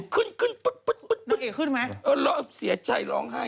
กระเทยเก่งกว่าเออแสดงความเป็นเจ้าข้าว